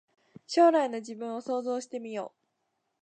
将来の自分を想像してみよう